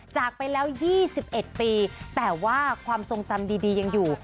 จากไปแล้ว๒๑ปีแต่ว่าความทรงจำดียังอยู่